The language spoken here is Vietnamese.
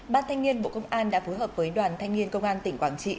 ban thanh niên bộ công an đã phối hợp với đoàn thanh niên công an tỉnh quảng trị